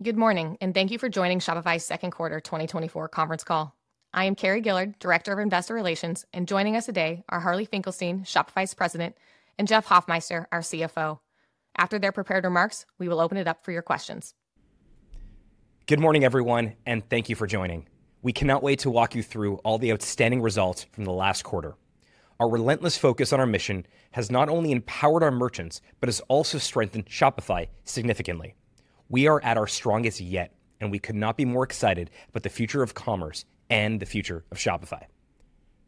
Good morning, and thank you for joining Shopify's second quarter 2024 conference call. I am Carrie Gillard, Director of Investor Relations, and joining us today are Harley Finkelstein, Shopify's President, and Jeff Hoffmeister, our CFO. After their prepared remarks, we will open it up for your questions. Good morning, everyone, and thank you for joining. We cannot wait to walk you through all the outstanding results from the last quarter. Our relentless focus on our mission has not only empowered our merchants, but has also strengthened Shopify significantly. We are at our strongest yet, and we could not be more excited about the future of commerce and the future of Shopify.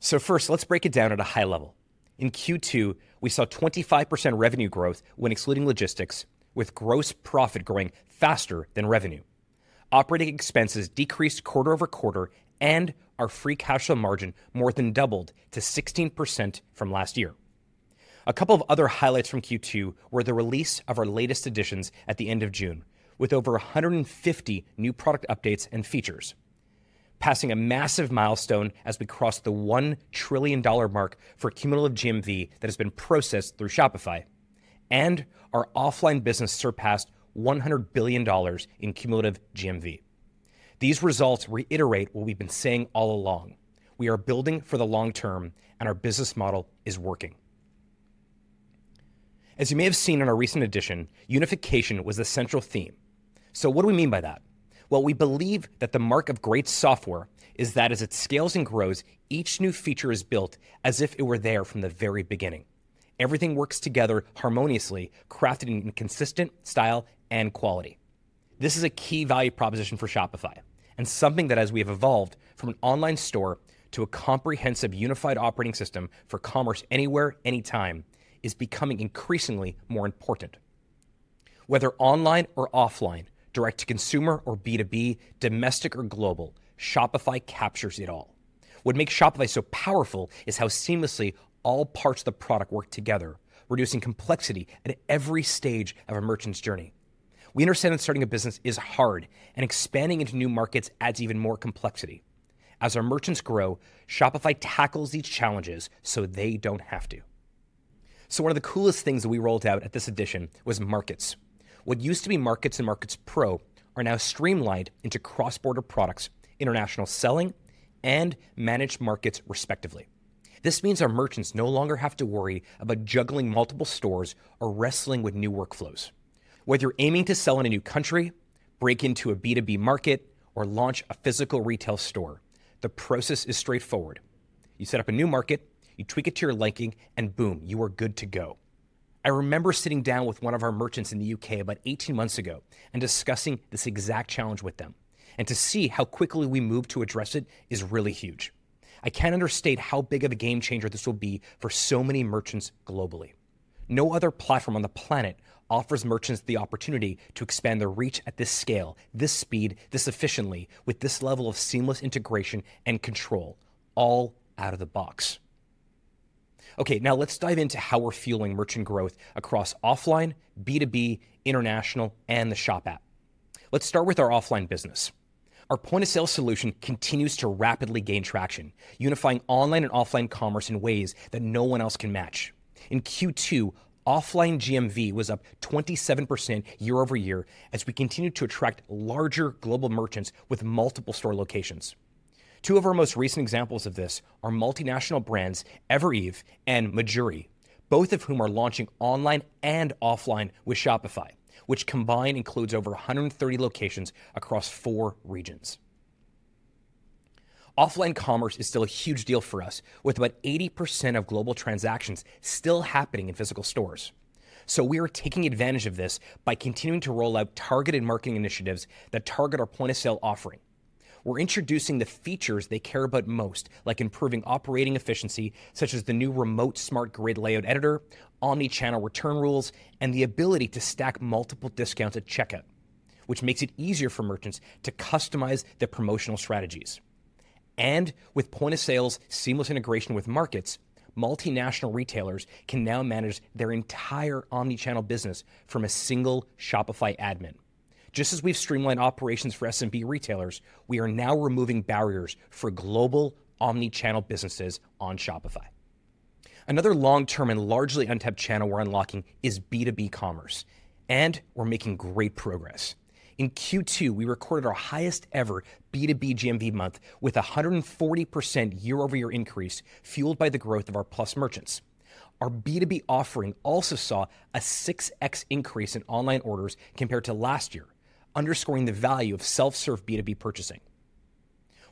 First, let's break it down at a high level. In Q2, we saw 25% revenue growth when excluding logistics, with gross profit growing faster than revenue. Operating expenses decreased quarter over quarter, and our free cash flow margin more than doubled to 16% from last year. A couple of other highlights from Q2 were the release of our latest editions at the end of June, with over 150 new product updates and features, passing a massive milestone as we crossed the $1 trillion mark for cumulative GMV that has been processed through Shopify, and our offline business surpassed $100 billion in cumulative GMV. These results reiterate what we've been saying all along: We are building for the long term, and our business model is working. As you may have seen in our recent edition, unification was the central theme. So what do we mean by that? Well, we believe that the mark of great software is that as it scales and grows, each new feature is built as if it were there from the very beginning. Everything works together harmoniously, crafted in consistent style and quality. This is a key value proposition for Shopify and something that, as we have evolved from an online store to a comprehensive, unified operating system for commerce anywhere, anytime, is becoming increasingly more important. Whether online or offline, direct-to-consumer or B2B, domestic or global, Shopify captures it all. What makes Shopify so powerful is how seamlessly all parts of the product work together, reducing complexity at every stage of a merchant's journey. We understand that starting a business is hard, and expanding into new markets adds even more complexity. As our merchants grow, Shopify tackles these challenges, so they don't have to. So one of the coolest things that we rolled out at this edition was Markets. What used to be Markets and Markets Pro are now streamlined into cross-border products, international selling, and Managed Markets, respectively. This means our merchants no longer have to worry about juggling multiple stores or wrestling with new workflows. Whether you're aiming to sell in a new country, break into a B2B market, or launch a physical retail store, the process is straightforward. You set up a new market, you tweak it to your liking, and boom, you are good to go. I remember sitting down with one of our merchants in the U.K. about 18 months ago and discussing this exact challenge with them, and to see how quickly we moved to address it is really huge. I can't understate how big of a game changer this will be for so many merchants globally. No other platform on the planet offers merchants the opportunity to expand their reach at this scale, this speed, this efficiently, with this level of seamless integration and control all out of the box. Okay, now let's dive into how we're fueling merchant growth across offline, B2B, international, and the Shop App. Let's start with our offline business. Our Point of Sale solution continues to rapidly gain traction, unifying online and offline commerce in ways that no one else can match. In Q2, offline GMV was up 27% year-over-year as we continued to attract larger global merchants with multiple store locations. Two of our most recent examples of this are multinational brands Evereve and Mejuri, both of whom are launching online and offline with Shopify, which combined includes over 130 locations across four regions. Offline commerce is still a huge deal for us, with about 80% of global transactions still happening in physical stores. So we are taking advantage of this by continuing to roll out targeted marketing initiatives that target our Point of Sale offering. We're introducing the features they care about most, like improving operating efficiency, such as the new remote smart grid layout editor, omni-channel return rules, and the ability to stack multiple discounts at checkout, which makes it easier for merchants to customize their promotional strategies. With Point of Sale's seamless integration with markets, multinational retailers can now manage their entire omni-channel business from a single Shopify admin. Just as we've streamlined operations for SMB retailers, we are now removing barriers for global omni-channel businesses on Shopify. Another long-term and largely untapped channel we're unlocking is B2B commerce, and we're making great progress. In Q2, we recorded our highest-ever B2B GMV month, with a 140% year-over-year increase, fueled by the growth of our Plus merchants. Our B2B offering also saw a 6x increase in online orders compared to last year, underscoring the value of self-serve B2B purchasing.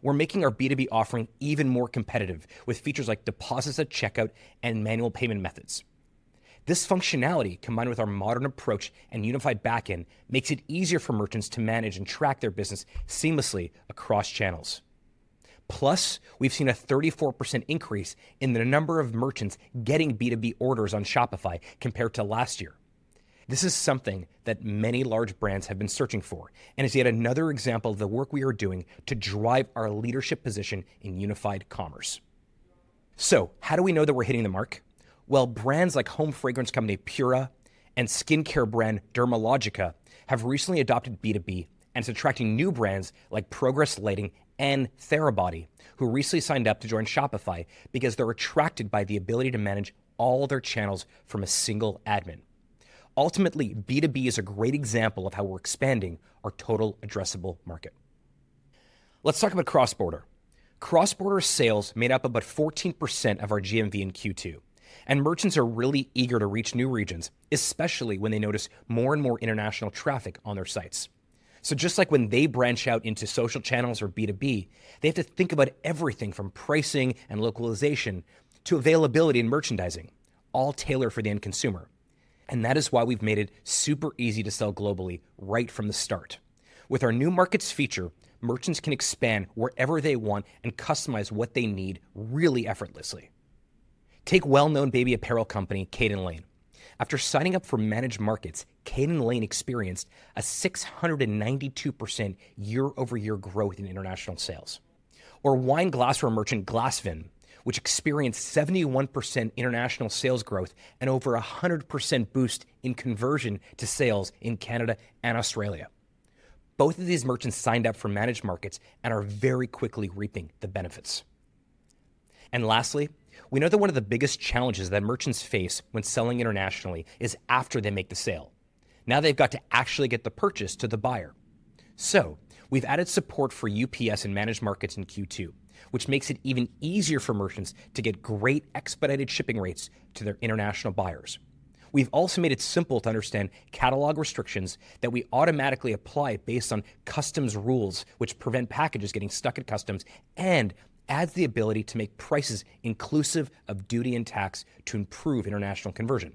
We're making our B2B offering even more competitive with features like deposits at checkout and manual payment methods. This functionality, combined with our modern approach and unified backend, makes it easier for merchants to manage and track their business seamlessly across channels. Plus, we've seen a 34% increase in the number of merchants getting B2B orders on Shopify compared to last year. This is something that many large brands have been searching for and is yet another example of the work we are doing to drive our leadership position in unified commerce. So how do we know that we're hitting the mark? Well, brands like home fragrance company Pura and skincare brand Dermalogica have recently adopted B2B and is attracting new brands like Progress Lighting and Therabody, who recently signed up to join Shopify because they're attracted by the ability to manage all their channels from a single admin. Ultimately, B2B is a great example of how we're expanding our total addressable market. Let's talk about cross-border. Cross-border sales made up about 14% of our GMV in Q2, and merchants are really eager to reach new regions, especially when they notice more and more international traffic on their sites. So just like when they branch out into social channels or B2B, they have to think about everything from pricing and localization to availability and merchandising, all tailored for the end consumer. And that is why we've made it super easy to sell globally right from the start. With our new markets feature, merchants can expand wherever they want and customize what they need really effortlessly. Take well-known baby apparel company, Caden Lane. After signing up for Managed Markets, Caden Lane experienced a 692% year-over-year growth in international sales. Wine glassware merchant, Glasvin, which experienced 71% international sales growth and over 100% boost in conversion to sales in Canada and Australia. Both of these merchants signed up for Managed Markets and are very quickly reaping the benefits. Lastly, we know that one of the biggest challenges that merchants face when selling internationally is after they make the sale. Now, they've got to actually get the purchase to the buyer. We've added support for UPS and Managed Markets in Q2, which makes it even easier for merchants to get great expedited shipping rates to their international buyers. We've also made it simple to understand catalog restrictions that we automatically apply based on customs rules, which prevent packages getting stuck at customs and adds the ability to make prices inclusive of duty and tax to improve international conversion.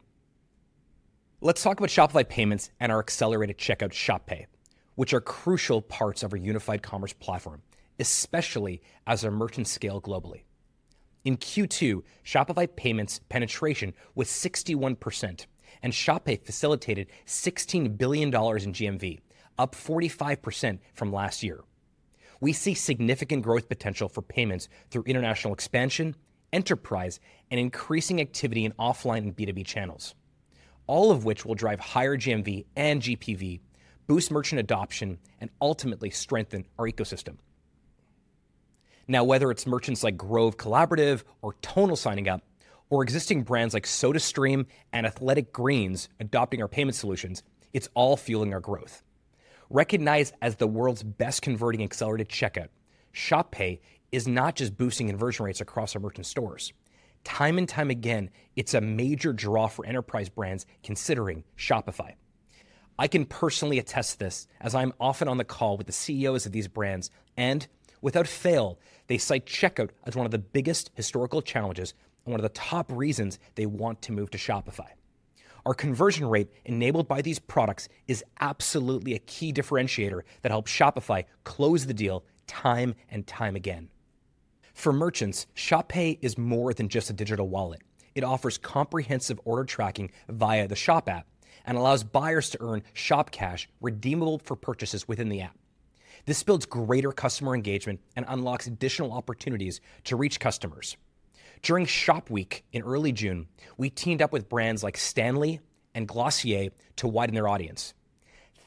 Let's talk about Shopify Payments and our accelerated checkout, Shop Pay, which are crucial parts of our unified commerce platform, especially as our merchants scale globally. In Q2, Shopify Payments penetration was 61%, and Shop Pay facilitated $16 billion in GMV, up 45% from last year. We see significant growth potential for payments through international expansion, enterprise, and increasing activity in offline and B2B channels, all of which will drive higher GMV and GPV, boost merchant adoption, and ultimately strengthen our ecosystem. Now, whether it's merchants like Grove Collaborative or Tonal signing up, or existing brands like SodaStream and Athletic Greens adopting our payment solutions, it's all fueling our growth. Recognized as the world's best-converting accelerated checkout, Shop Pay is not just boosting conversion rates across our merchant stores. Time and time again, it's a major draw for enterprise brands considering Shopify. I can personally attest to this, as I'm often on the call with the CEOs of these brands, and without fail, they cite checkout as one of the biggest historical challenges and one of the top reasons they want to move to Shopify. Our conversion rate enabled by these products is absolutely a key differentiator that helps Shopify close the deal time and time again. For merchants, Shop Pay is more than just a digital wallet. It offers comprehensive order tracking via the Shop App and allows buyers to earn Shop Cash, redeemable for purchases within the app. This builds greater customer engagement and unlocks additional opportunities to reach customers. During Shop Week in early June, we teamed up with brands like Stanley and Glossier to widen their audience.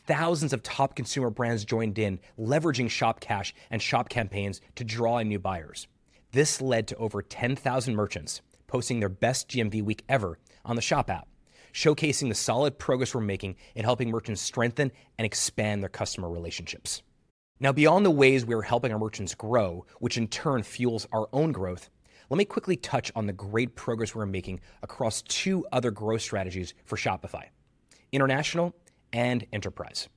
Thousands of top consumer brands joined in, leveraging Shop Cash and Shop Campaigns to draw in new buyers. This led to over 10,000 merchants posting their best GMV week ever on the Shop App, showcasing the solid progress we're making in helping merchants strengthen and expand their customer relationships. Now, beyond the ways we are helping our merchants grow, which in turn fuels our own growth, let me quickly touch on the great progress we're making across two other growth strategies for Shopify: international and enterprise.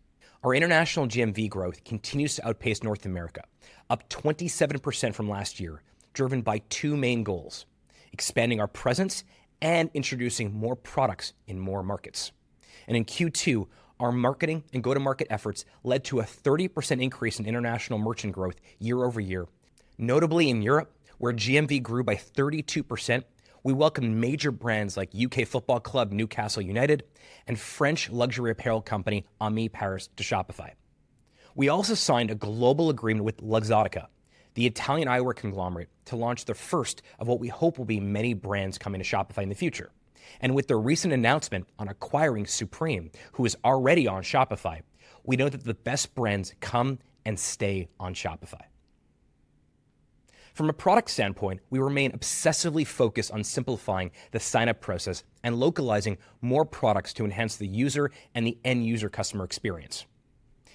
Our international GMV growth continues to outpace North America, up 27% from last year, driven by two main goals: expanding our presence and introducing more products in more markets. In Q2, our marketing and go-to-market efforts led to a 30% increase in international merchant growth year-over-year, notably in Europe, where GMV grew by 32%. We welcomed major brands like U.K. football club, Newcastle United, and French luxury apparel company, AMI Paris, to Shopify. We also signed a global agreement with Luxottica, the Italian eyewear conglomerate, to launch the first of what we hope will be many brands coming to Shopify in the future. With the recent announcement on acquiring Supreme, who is already on Shopify, we know that the best brands come and stay on Shopify. From a product standpoint, we remain obsessively focused on simplifying the sign-up process and localizing more products to enhance the user and the end-user customer experience.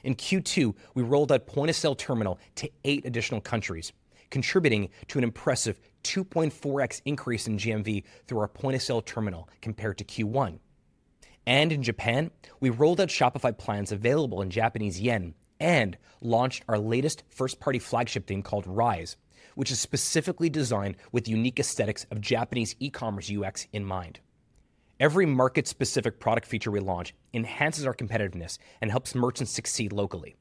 In Q2, we rolled out Point of Sale terminal to eight additional countries, contributing to an impressive 2.4x increase in GMV through our Point of Sale terminal compared to Q1. In Japan, we rolled out Shopify plans available in Japanese yen and launched our latest first-party flagship theme called Rise, which is specifically designed with the unique aesthetics of Japanese e-commerce UX in mind. Every market-specific product feature we launch enhances our competitiveness and helps merchants succeed locally.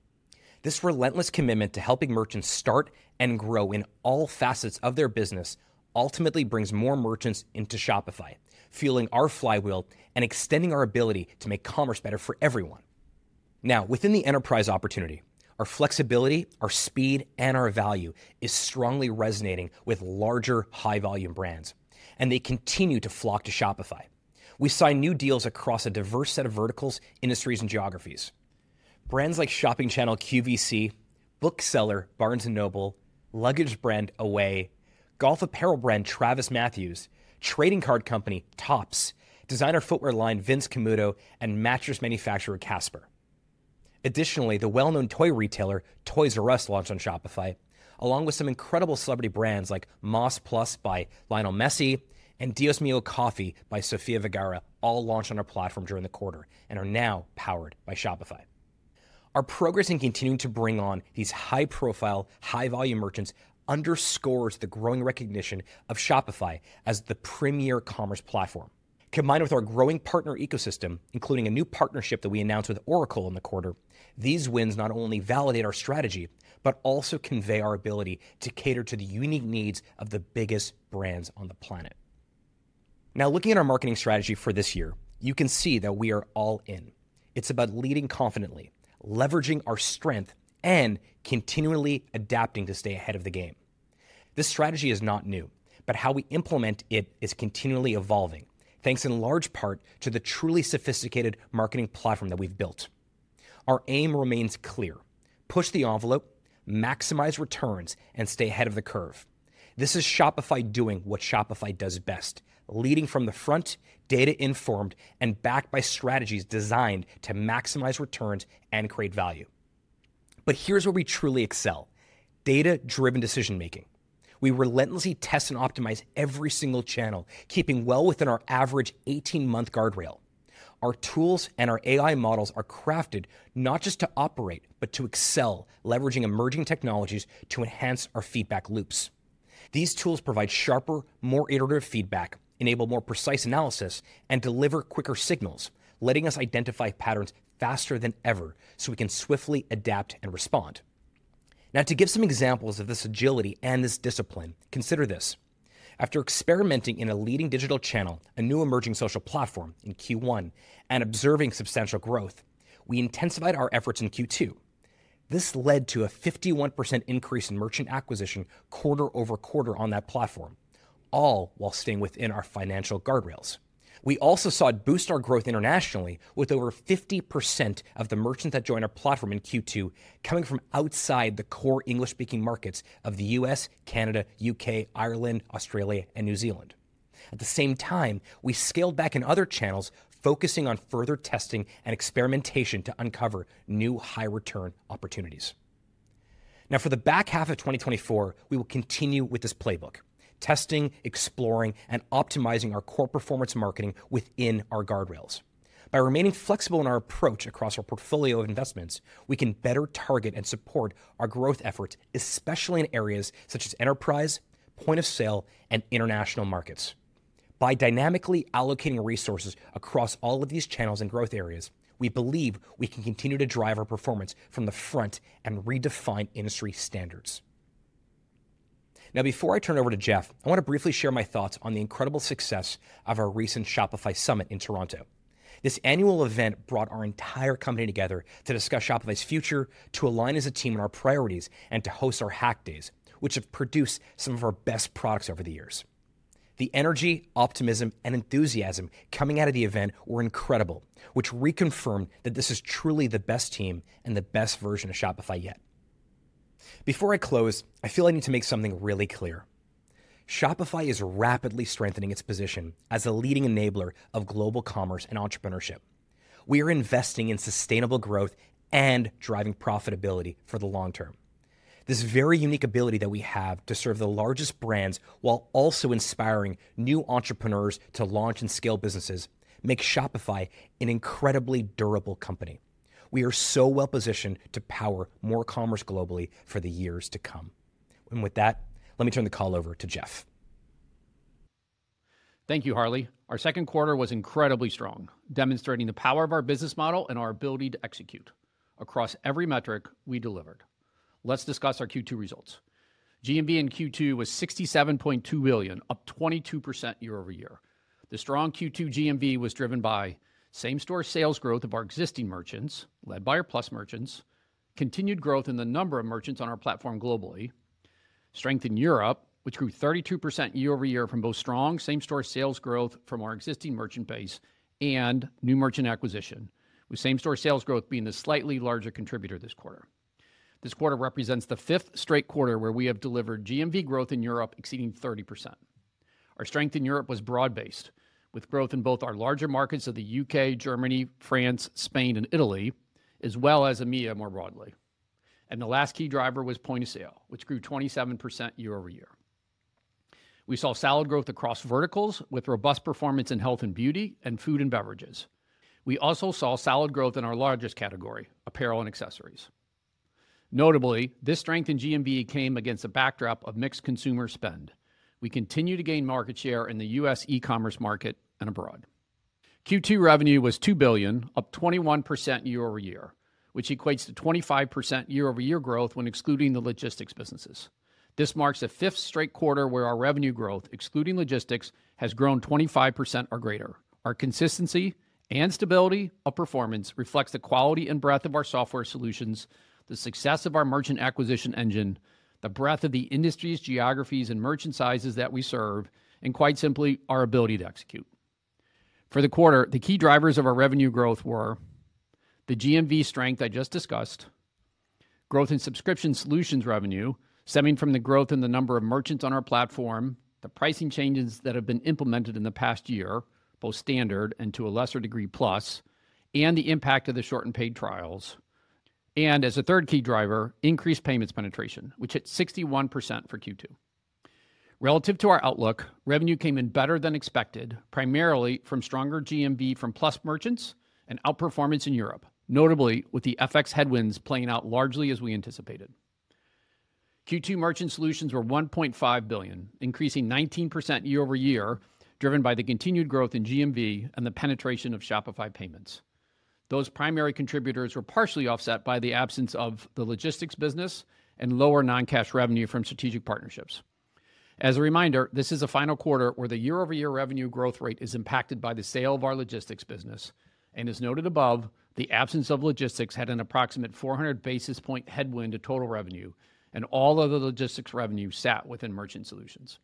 This relentless commitment to helping merchants start and grow in all facets of their business ultimately brings more merchants into Shopify, fueling our flywheel and extending our ability to make commerce better for everyone. Now, within the enterprise opportunity, our flexibility, our speed, and our value is strongly resonating with larger, high-volume brands, and they continue to flock to Shopify. We signed new deals across a diverse set of verticals, industries, and geographies. Brands like shopping channel QVC, bookseller Barnes & Noble, luggage brand Away, golf apparel brand TravisMathew, trading card company Topps, designer footwear line Vince Camuto, and mattress manufacturer Casper. Additionally, the well-known toy retailer, Toys"R"Us, launched on Shopify, along with some incredible celebrity brands like Más+ by Lionel Messi and Dios Mío Coffee by Sofia Vergara, all launched on our platform during the quarter and are now powered by Shopify. Our progress in continuing to bring on these high-profile, high-volume merchants underscores the growing recognition of Shopify as the premier commerce platform. Combined with our growing partner ecosystem, including a new partnership that we announced with Oracle in the quarter, these wins not only validate our strategy, but also convey our ability to cater to the unique needs of the biggest brands on the planet. Now, looking at our marketing strategy for this year, you can see that we are all in. It's about leading confidently, leveraging our strength, and continually adapting to stay ahead of the game. This strategy is not new, but how we implement it is continually evolving, thanks in large part to the truly sophisticated marketing platform that we've built. Our aim remains clear: push the envelope, maximize returns, and stay ahead of the curve. This is Shopify doing what Shopify does best, leading from the front, data-informed, and backed by strategies designed to maximize returns and create value. But here's where we truly excel: data-driven decision-making. We relentlessly test and optimize every single channel, keeping well within our average 18-month guardrail. Our tools and our AI models are crafted not just to operate, but to excel, leveraging emerging technologies to enhance our feedback loops. These tools provide sharper, more iterative feedback, enable more precise analysis, and deliver quicker signals, letting us identify patterns faster than ever, so we can swiftly adapt and respond. Now, to give some examples of this agility and this discipline, consider this: after experimenting in a leading digital channel, a new emerging social platform in Q1, and observing substantial growth, we intensified our efforts in Q2. This led to a 51% increase in merchant acquisition quarter-over-quarter on that platform, all while staying within our financial guardrails. We also saw it boost our growth internationally, with over 50% of the merchants that joined our platform in Q2 coming from outside the core English-speaking markets of the U.S., Canada, U.K., Ireland, Australia, and New Zealand. At the same time, we scaled back in other channels, focusing on further testing and experimentation to uncover new high-return opportunities. Now, for the back half of 2024, we will continue with this playbook, testing, exploring, and optimizing our core performance marketing within our guardrails. By remaining flexible in our approach across our portfolio of investments, we can better target and support our growth efforts, especially in areas such as enterprise, Point of Sale, and international markets. By dynamically allocating resources across all of these channels and growth areas, we believe we can continue to drive our performance from the front and redefine industry standards. Now, before I turn it over to Jeff, I want to briefly share my thoughts on the incredible success of our recent Shopify Summit in Toronto. This annual event brought our entire company together to discuss Shopify's future, to align as a team on our priorities, and to host our Hack Days, which have produced some of our best products over the years. The energy, optimism, and enthusiasm coming out of the event were incredible, which reconfirmed that this is truly the best team and the best version of Shopify yet. Before I close, I feel I need to make something really clear. Shopify is rapidly strengthening its position as a leading enabler of global commerce and entrepreneurship. We are investing in sustainable growth and driving profitability for the long term. This very unique ability that we have to serve the largest brands, while also inspiring new entrepreneurs to launch and scale businesses, makes Shopify an incredibly durable company. We are so well-positioned to power more commerce globally for the years to come. With that, let me turn the call over to Jeff. Thank you, Harley. Our second quarter was incredibly strong, demonstrating the power of our business model and our ability to execute. Across every metric, we delivered. Let's discuss our Q2 results. GMV in Q2 was $67.2 billion, up 22% year-over-year. The strong Q2 GMV was driven by same-store sales growth of our existing merchants, led by our Plus merchants, continued growth in the number of merchants on our platform globally, strength in Europe, which grew 32% year-over-year from both strong same-store sales growth from our existing merchant base and new merchant acquisition, with same-store sales growth being the slightly larger contributor this quarter. This quarter represents the fifth straight quarter where we have delivered GMV growth in Europe exceeding 30%. Our strength in Europe was broad-based, with growth in both our larger markets of the U.K., Germany, France, Spain, and Italy, as well as EMEA, more broadly. The last key driver was Point of Sale, which grew 27% year-over-year. We saw solid growth across verticals, with robust performance in health and beauty and food and beverages. We also saw solid growth in our largest category, apparel and accessories. Notably, this strength in GMV came against a backdrop of mixed consumer spend. We continue to gain market share in the U.S. e-commerce market and abroad. Q2 revenue was $2 billion, up 21% year-over-year, which equates to 25% year-over-year growth when excluding the logistics businesses. This marks the fifth straight quarter where our revenue growth, excluding logistics, has grown 25% or greater. Our consistency and stability of performance reflects the quality and breadth of our software solutions, the success of our merchant acquisition engine, the breadth of the industries, geographies, and merchant sizes that we serve, and quite simply, our ability to execute. For the quarter, the key drivers of our revenue growth were: the GMV strength I just discussed, growth in subscription solutions revenue stemming from the growth in the number of merchants on our platform, the pricing changes that have been implemented in the past year, both Standard and to a lesser degree, Plus, and the impact of the shortened paid trials. And as a third key driver, increased payments penetration, which hit 61% for Q2. Relative to our outlook, revenue came in better than expected, primarily from stronger GMV from Plus merchants and outperformance in Europe, notably with the FX headwinds playing out largely as we anticipated. Q2 merchant solutions were $1.5 billion, increasing 19% year-over-year, driven by the continued growth in GMV and the penetration of Shopify Payments. Those primary contributors were partially offset by the absence of the logistics business and lower non-cash revenue from strategic partnerships. As a reminder, this is a final quarter where the year-over-year revenue growth rate is impacted by the sale of our logistics business, and as noted above, the absence of logistics had an approximate 400 basis points headwind to total revenue, and all of the logistics revenue sat within merchant solutions.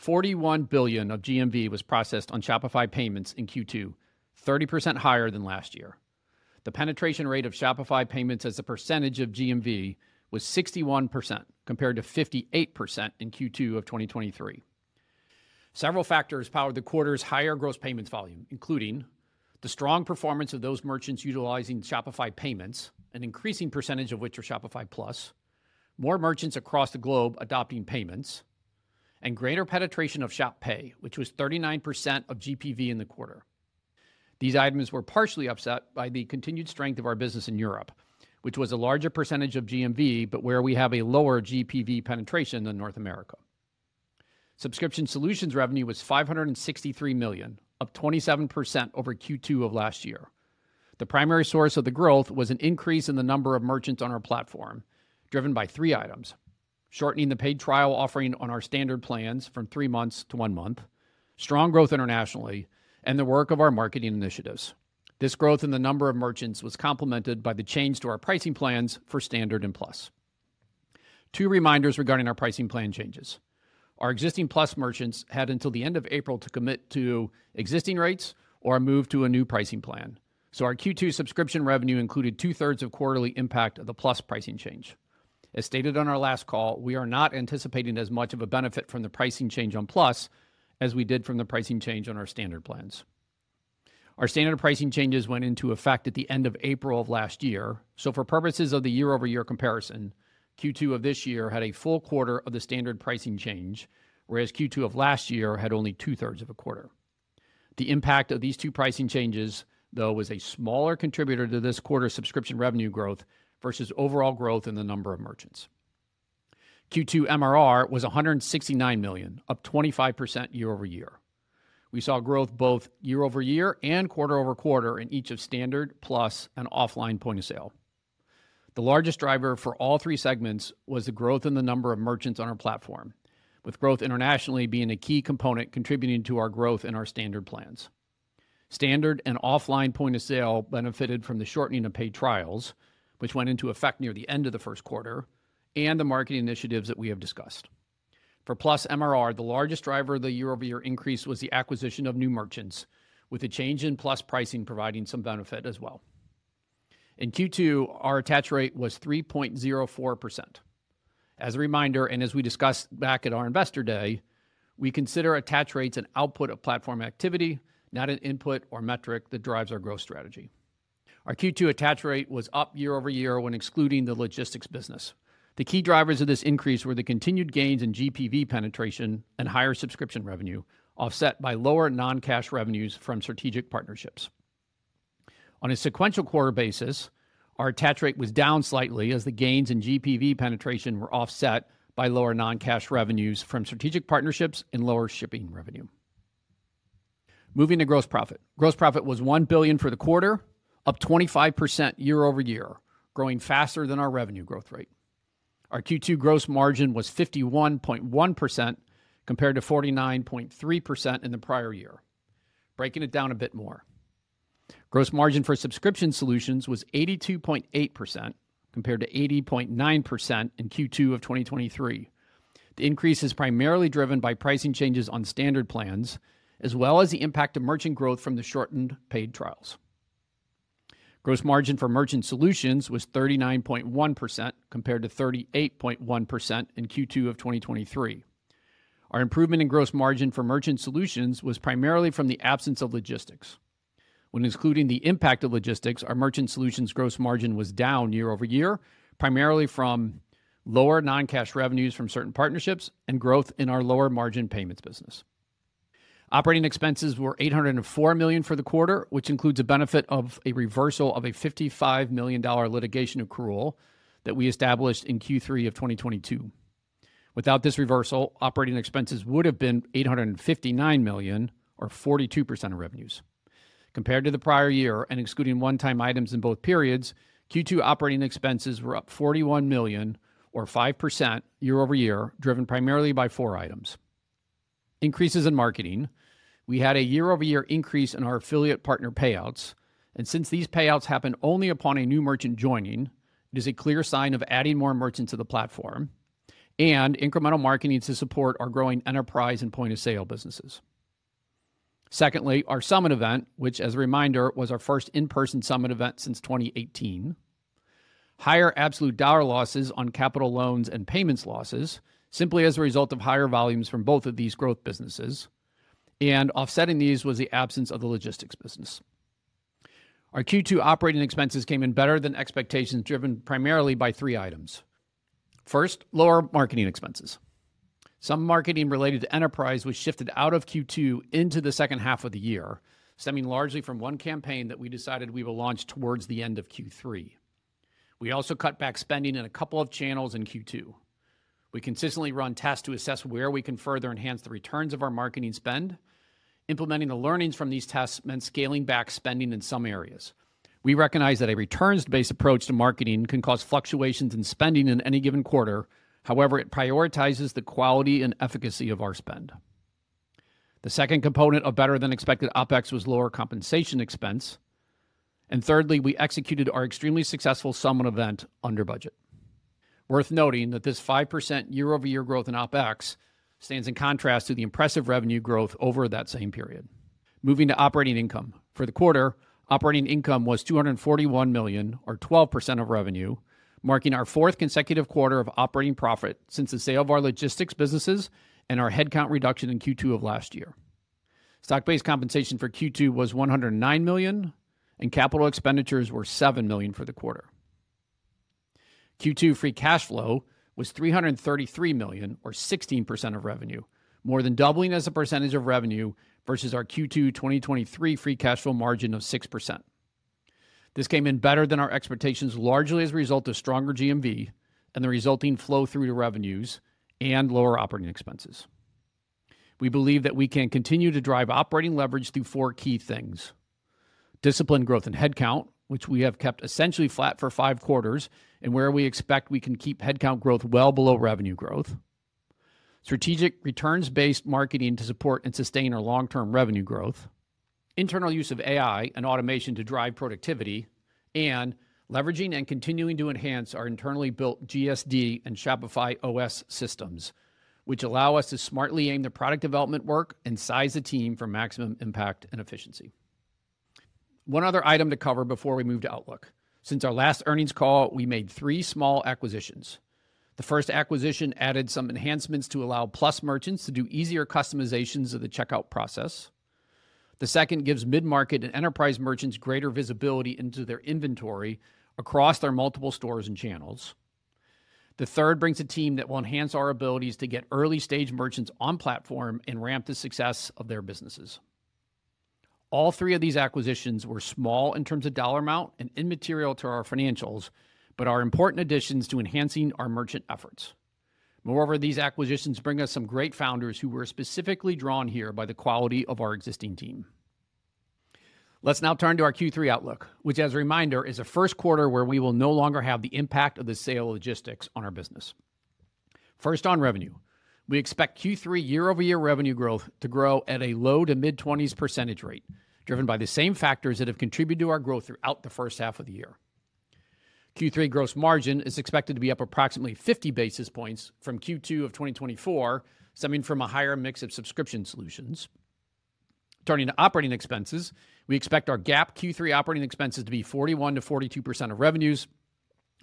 $41 billion of GMV was processed on Shopify Payments in Q2, 30% higher than last year. The penetration rate of Shopify Payments as a percentage of GMV was 61%, compared to 58% in Q2 of 2023. Several factors powered the quarter's higher gross payments volume, including the strong performance of those merchants utilizing Shopify Payments, an increasing percentage of which are Shopify Plus, more merchants across the globe adopting payments, and greater penetration of Shop Pay, which was 39% of GPV in the quarter. These items were partially upset by the continued strength of our business in Europe, which was a larger percentage of GMV, but where we have a lower GPV penetration than North America. Subscription solutions revenue was $563 million, up 27% over Q2 of last year. The primary source of the growth was an increase in the number of merchants on our platform, driven by three items: shortening the paid trial offering on our Standard plans from three months to one month, strong growth internationally, and the work of our marketing initiatives. This growth in the number of merchants was complemented by the change to our pricing plans for Standard and Plus. Two reminders regarding our pricing plan changes. Our existing Plus merchants had until the end of April to commit to existing rates or move to a new pricing plan. So our Q2 subscription revenue included two-thirds of quarterly impact of the Plus pricing change. As stated on our last call, we are not anticipating as much of a benefit from the pricing change on Plus as we did from the pricing change on our Standard plans. Our Standard pricing changes went into effect at the end of April of last year. So for purposes of the year-over-year comparison, Q2 of this year had a full quarter of the Standard pricing change, whereas Q2 of last year had only two-thirds of a quarter. The impact of these two pricing changes, though, was a smaller contributor to this quarter's subscription revenue growth versus overall growth in the number of merchants. Q2 MRR was $169 million, up 25% year-over-year. We saw growth both year-over-year and quarter-over-quarter in each of Standard, Plus, and offline point of sale. The largest driver for all three segments was the growth in the number of merchants on our platform, with growth internationally being a key component contributing to our growth in our Standard plans. Standard and offline point of sale benefited from the shortening of paid trials, which went into effect near the end of the first quarter, and the marketing initiatives that we have discussed. For Plus MRR, the largest driver of the year-over-year increase was the acquisition of new merchants, with a change in Plus pricing providing some benefit as well. In Q2, our attach rate was 3.04%. As a reminder, and as we discussed back at our Investor Day, we consider attach rates an output of platform activity, not an input or metric that drives our growth strategy. Our Q2 attach rate was up year over year when excluding the logistics business. The key drivers of this increase were the continued gains in GPV penetration and higher subscription revenue, offset by lower non-cash revenues from strategic partnerships. On a sequential quarter basis, our attach rate was down slightly as the gains in GPV penetration were offset by lower non-cash revenues from strategic partnerships and lower shipping revenue. Moving to gross profit. Gross profit was $1 billion for the quarter, up 25% year-over-year, growing faster than our revenue growth rate. Our Q2 gross margin was 51.1%, compared to 49.3% in the prior year. Breaking it down a bit more. Gross margin for subscription solutions was 82.8%, compared to 80.9% in Q2 of 2023. The increase is primarily driven by pricing changes on Standard plans, as well as the impact of merchant growth from the shortened paid trials. Gross margin for merchant solutions was 39.1%, compared to 38.1% in Q2 of 2023. Our improvement in gross margin for merchant solutions was primarily from the absence of logistics. When excluding the impact of logistics, our merchant solutions gross margin was down year over year, primarily from lower non-cash revenues from certain partnerships and growth in our lower-margin payments business. Operating expenses were $804 million for the quarter, which includes a benefit of a reversal of a $55 million litigation accrual that we established in Q3 of 2022. Without this reversal, operating expenses would have been $859 million or 42% of revenues. Compared to the prior year and excluding one-time items in both periods, Q2 operating expenses were up $41 million or 5% year over year, driven primarily by four items. Increases in marketing. We had a year-over-year increase in our affiliate partner payouts, and since these payouts happen only upon a new merchant joining, it is a clear sign of adding more merchants to the platform. Incremental marketing to support our growing enterprise and Point of Sale businesses. Secondly, our summit event, which as a reminder, was our first in-person summit event since 2018. Higher absolute dollar losses on capital loans and payments losses, simply as a result of higher volumes from both of these growth businesses, and offsetting these was the absence of the logistics business. Our Q2 operating expenses came in better than expectations, driven primarily by three items. First, lower marketing expenses. Some marketing related to enterprise was shifted out of Q2 into the second half of the year, stemming largely from one campaign that we decided we will launch towards the end of Q3. We also cut back spending in a couple of channels in Q2. We consistently run tests to assess where we can further enhance the returns of our marketing spend. Implementing the learnings from these tests meant scaling back spending in some areas. We recognize that a returns-based approach to marketing can cause fluctuations in spending in any given quarter. However, it prioritizes the quality and efficacy of our spend. The second component of better-than-expected OpEx was lower compensation expense, and thirdly, we executed our extremely successful summit event under budget. Worth noting that this 5% year-over-year growth in OpEx stands in contrast to the impressive revenue growth over that same period. Moving to operating income. For the quarter, operating income was $241 million or 12% of revenue, marking our fourth consecutive quarter of operating profit since the sale of our logistics businesses and our headcount reduction in Q2 of last year. Stock-based compensation for Q2 was $109 million, and capital expenditures were $7 million for the quarter. Q2 free cash flow was $333 million or 16% of revenue, more than doubling as a percentage of revenue versus our Q2 2023 free cash flow margin of 6%. This came in better than our expectations, largely as a result of stronger GMV and the resulting flow-through to revenues and lower operating expenses. We believe that we can continue to drive operating leverage through 4 key things: disciplined growth in headcount, which we have kept essentially flat for five quarters, and where we expect we can keep headcount growth well below revenue growth. Strategic returns-based marketing to support and sustain our long-term revenue growth, internal use of AI and automation to drive productivity, and leveraging and continuing to enhance our internally built GSD and Shopify OS systems, which allow us to smartly aim the product development work and size the team for maximum impact and efficiency. One other item to cover before we move to outlook. Since our last earnings call, we made three small acquisitions. The first acquisition added some enhancements to allow Plus merchants to do easier customizations of the checkout process. The second gives mid-market and enterprise merchants greater visibility into their inventory across their multiple stores and channels. The third brings a team that will enhance our abilities to get early-stage merchants on platform and ramp the success of their businesses. All three of these acquisitions were small in terms of dollar amount and immaterial to our financials, but are important additions to enhancing our merchant efforts. Moreover, these acquisitions bring us some great founders who were specifically drawn here by the quality of our existing team. Let's now turn to our Q3 outlook, which, as a reminder, is a first quarter where we will no longer have the impact of the sale of logistics on our business. First, on revenue, we expect Q3 year-over-year revenue growth to grow at a low- to mid-20s percentage rate, driven by the same factors that have contributed to our growth throughout the first half of the year. Q3 gross margin is expected to be up approximately 50 basis points from Q2 of 2024, stemming from a higher mix of subscription solutions. Turning to operating expenses, we expect our GAAP Q3 operating expenses to be 41%-42% of revenues,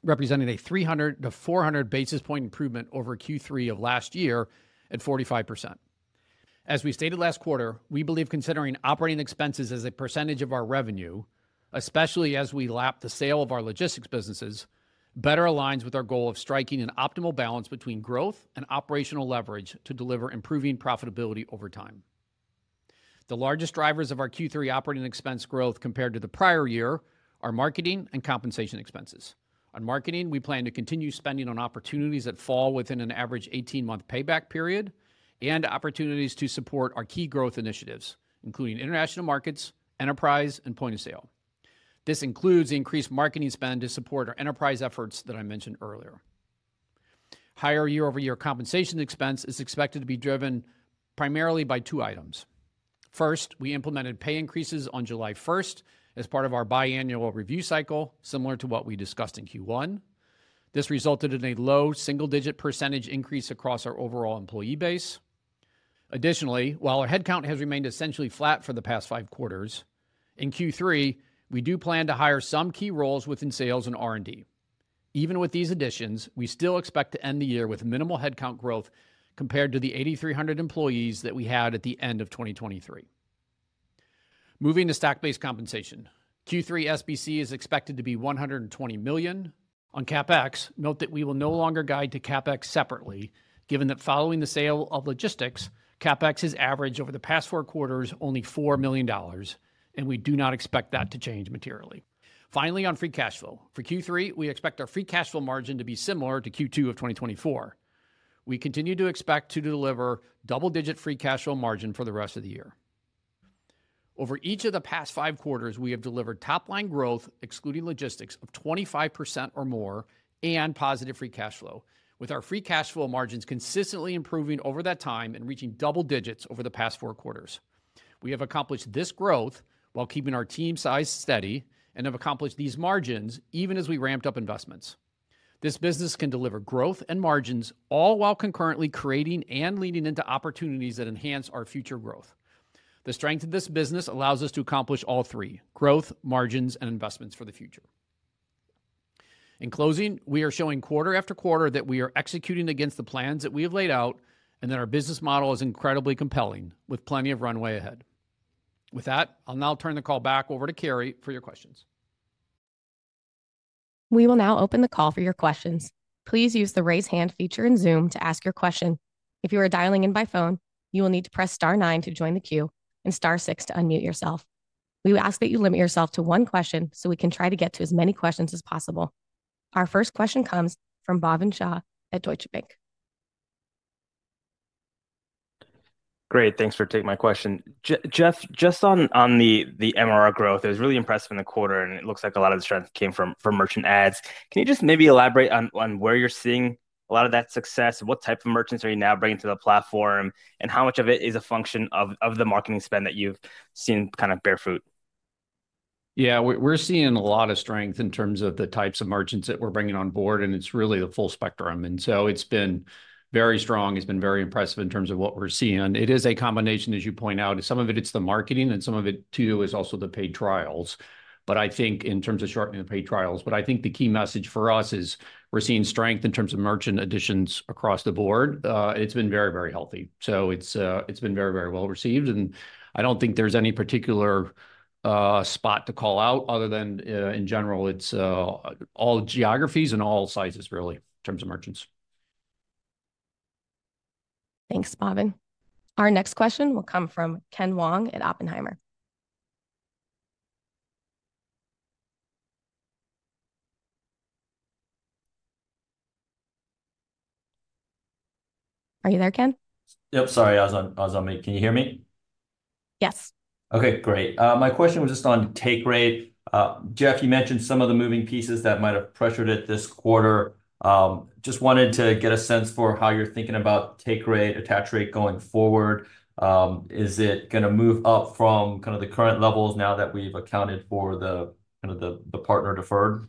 representing a 300-400 basis point improvement over Q3 of last year at 45%. As we stated last quarter, we believe considering operating expenses as a percentage of our revenue, especially as we lap the sale of our logistics businesses, better aligns with our goal of striking an optimal balance between growth and operational leverage to deliver improving profitability over time. The largest drivers of our Q3 operating expense growth compared to the prior year are marketing and compensation expenses. On marketing, we plan to continue spending on opportunities that fall within an average 18-month payback period and opportunities to support our key growth initiatives, including international markets, enterprise, and Point of Sale. This includes increased marketing spend to support our enterprise efforts that I mentioned earlier. Higher year-over-year compensation expense is expected to be driven primarily by two items. First, we implemented pay increases on July 1st as part of our biannual review cycle, similar to what we discussed in Q1. This resulted in a low single-digit % increase across our overall employee base. Additionally, while our headcount has remained essentially flat for the past five quarters, in Q3, we do plan to hire some key roles within sales and R&D. Even with these additions, we still expect to end the year with minimal headcount growth compared to the 8,300 employees that we had at the end of 2023. Moving to stock-based compensation. Q3 SBC is expected to be $120 million. On CapEx, note that we will no longer guide to CapEx separately, given that following the sale of logistics, CapEx has averaged over the past four quarters only $4 million, and we do not expect that to change materially. Finally, on free cash flow. For Q3, we expect our free cash flow margin to be similar to Q2 of 2024. We continue to expect to deliver double-digit free cash flow margin for the rest of the year. Over each of the past five quarters, we have delivered top-line growth, excluding logistics, of 25% or more and positive free cash flow, with our free cash flow margins consistently improving over that time and reaching double digits over the past four quarters. We have accomplished this growth while keeping our team size steady, and have accomplished these margins even as we ramped up investments. This business can deliver growth and margins, all while concurrently creating and leaning into opportunities that enhance our future growth. The strength of this business allows us to accomplish all three: growth, margins, and investments for the future. In closing, we are showing quarter after quarter that we are executing against the plans that we have laid out, and that our business model is incredibly compelling, with plenty of runway ahead. With that, I'll now turn the call back over to Carrie for your questions. We will now open the call for your questions. Please use the Raise Hand feature in Zoom to ask your question. If you are dialing in by phone, you will need to press star nine to join the queue, and star six to unmute yourself. We would ask that you limit yourself to one question, so we can try to get to as many questions as possible. Our first question comes from Bhavin Shah at Deutsche Bank. Great, thanks for taking my question. Jeff, just on the MRR growth, it was really impressive in the quarter, and it looks like a lot of the strength came from merchant ads. Can you just maybe elaborate on where you're seeing a lot of that success? What type of merchants are you now bringing to the platform, and how much of it is a function of the marketing spend that you've seen kind of bear fruit? Yeah, we're seeing a lot of strength in terms of the types of merchants that we're bringing on board, and it's really the full spectrum. So it's been very strong; it's been very impressive in terms of what we're seeing. It is a combination, as you point out. Some of it, it's the marketing, and some of it, too, is also the paid trials. But I think in terms of shortening the paid trials, but I think the key message for us is, we're seeing strength in terms of merchant additions across the board. It's been very, very healthy. So it's been very, very well-received, and I don't think there's any particular spot to call out, other than in general, it's all geographies and all sizes, really, in terms of merchants. Thanks, Bhavin. Our next question will come from Ken Wong at Oppenheimer. Are you there, Ken? Yep, sorry, I was on mute. Can you hear me? Yes. Okay, great. My question was just on take rate. Jeff, you mentioned some of the moving pieces that might have pressured it this quarter. Just wanted to get a sense for how you're thinking about take rate, attach rate going forward. Is it gonna move up from kinda the current levels now that we've accounted for the, kinda the, the partner deferred?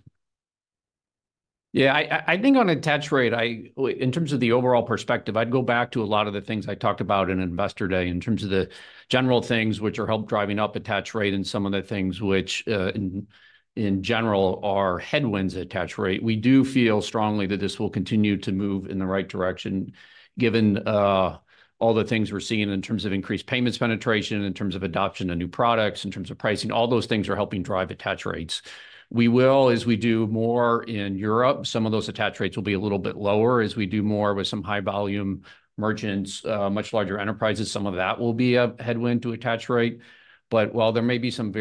Yeah, I think on Attach Rate, in terms of the overall perspective, I'd go back to a lot of the things I talked about in Investor Day, in terms of the general things which are help driving up Attach Rate, and some of the things which, in general, are headwinds Attach Rate. We do feel strongly that this will continue to move in the right direction, given all the things we're seeing in terms of increased payments penetration, in terms of adoption of new products, in terms of pricing, all those things are helping drive Attach rates. We will, as we do more in Europe, some of those Attach rates will be a little bit lower, as we do more with some high-volume merchants, much larger enterprises, some of that will be a headwind to Attach rate. But while there may be some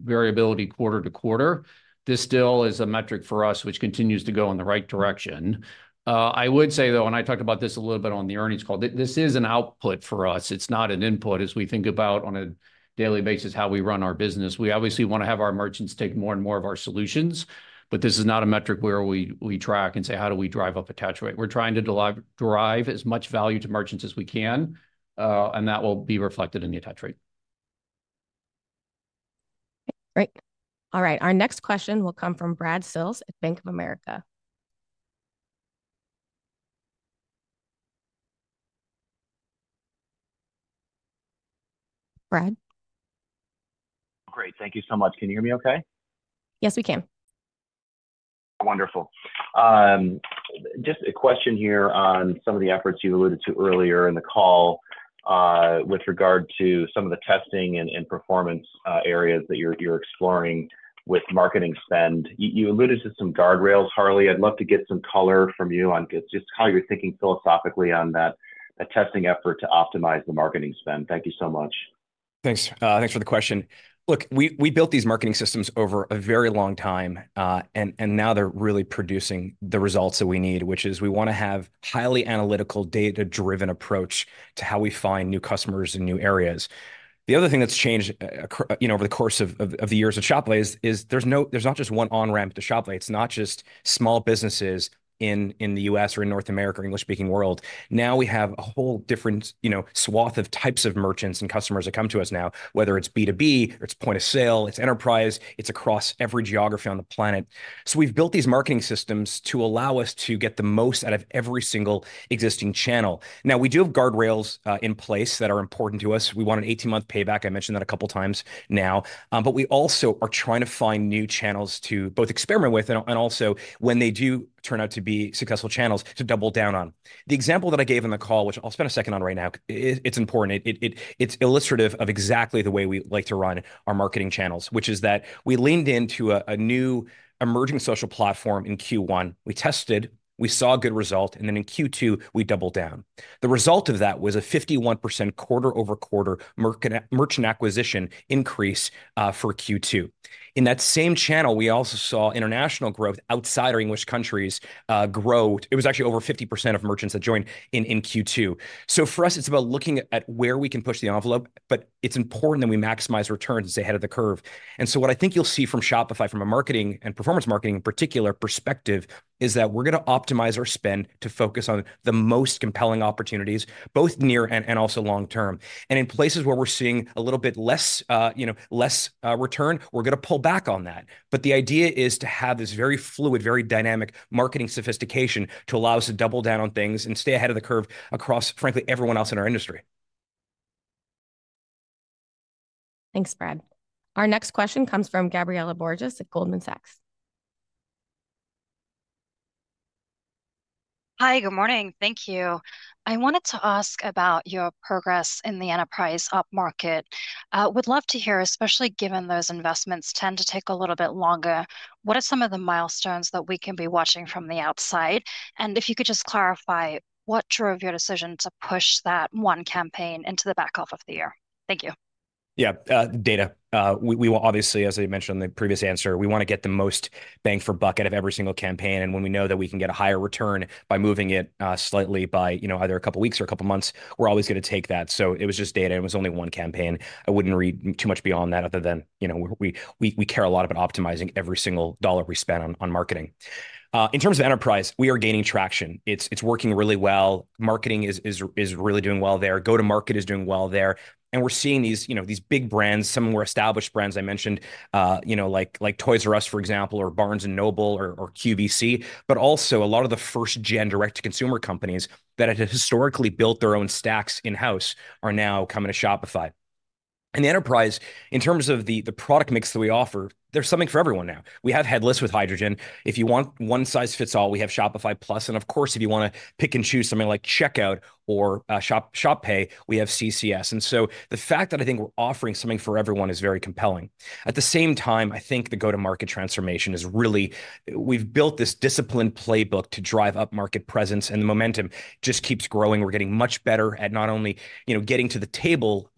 variability quarter to quarter, this still is a metric for us, which continues to go in the right direction. I would say, though, and I talked about this a little bit on the earnings call, this is an output for us, it's not an input, as we think about on a daily basis, how we run our business. We obviously wanna have our merchants take more and more of our solutions, but this is not a metric where we, we track and say: How do we drive up attach rate? We're trying to drive as much value to merchants as we can, and that will be reflected in the attach rate. Great. All right, our next question will come from Brad Sills at Bank of America. Brad? Great. Thank you so much. Can you hear me okay? Yes, we can. Wonderful. Just a question here on some of the efforts you alluded to earlier in the call, with regard to some of the testing and performance areas that you're exploring with marketing spend. You alluded to some guardrails, Harley. I'd love to get some color from you on just how you're thinking philosophically on that, a testing effort to optimize the marketing spend. Thank you so much. Thanks, thanks for the question. Look, we built these marketing systems over a very long time, and now they're really producing the results that we need, which is we want to have highly analytical, data-driven approach to how we find new customers in new areas. The other thing that's changed, you know, over the course of the years of Shop Pay is, there's not just one on-ramp to Shop Pay. It's not just small businesses in the U.S. or in North America or English-speaking world. Now we have a whole different, you know, swath of types of merchants and customers that come to us now, whether it's B2B or it's Point of Sale, it's enterprise, it's across every geography on the planet. So we've built these marketing systems to allow us to get the most out of every single existing channel. Now, we do have guardrails in place that are important to us. We want an 18-month payback, I mentioned that a couple times now. But we also are trying to find new channels to both experiment with, and also, when they do turn out to be successful channels, to double down on. The example that I gave on the call, which I'll spend a second on right now, it's important, it's illustrative of exactly the way we like to run our marketing channels, which is that we leaned into a new emerging social platform in Q1. We tested, we saw a good result, and then in Q2, we doubled down. The result of that was a 51% quarter-over-quarter merchant acquisition increase for Q2. In that same channel, we also saw international growth outside our English countries grow. It was actually over 50% of merchants that joined in Q2. So for us, it's about looking at where we can push the envelope, but it's important that we maximize returns and stay ahead of the curve. And so what I think you'll see from Shopify, from a marketing and performance marketing in particular perspective, is that we're gonna optimize our spend to focus on the most compelling opportunities, both near and, and also long term. And in places where we're seeing a little bit less, you know, less return, we're gonna pull back on that. But the idea is to have this very fluid, very dynamic marketing sophistication to allow us to double down on things and stay ahead of the curve across, frankly, everyone else in our industry. Thanks, Brad. Our next question comes from Gabriela Borges at Goldman Sachs. Hi, good morning. Thank you. I wanted to ask about your progress in the enterprise upmarket. Would love to hear, especially given those investments tend to take a little bit longer, what are some of the milestones that we can be watching from the outside? And if you could just clarify, what drove your decision to push that one campaign into the back half of the year? Thank you. Yeah, data. We will obviously, as I mentioned in the previous answer, we wanna get the most bang for bucket of every single campaign, and when we know that we can get a higher return by moving it, slightly by, you know, either a couple of weeks or a couple of months, we're always gonna take that. So it was just data, and it was only one campaign. I wouldn't read too much beyond that other than, you know, we care a lot about optimizing every single dollar we spend on marketing. In terms of enterprise, we are gaining traction. It's working really well. Marketing is really doing well there. Go-to-market is doing well there. And we're seeing these, you know, these big brands, some more established brands I mentioned, you know, like, like Toys"R"Us, for example, or Barnes & Noble or QVC, but also a lot of the first-gen direct-to-consumer companies that had historically built their own stacks in-house are now coming to Shopify. In enterprise, in terms of the product mix that we offer, there's something for everyone now. We have headless with Hydrogen. If you want one size fits all, we have Shopify Plus, and of course, if you wanna pick and choose something like Checkout or Shop Pay, we have CCS. And so the fact that I think we're offering something for everyone is very compelling. At the same time, I think the go-to-market transformation is really. We've built this disciplined playbook to drive up market presence, and the momentum just keeps growing. We're getting much better at not only, you know, getting to the table